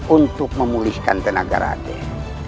untuk memulihkan tenaga raden